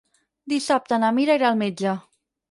Dissabte na Mira irà al metge.